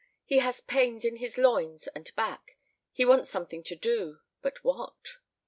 He has pains in his loins and back. He wants something to do, but what?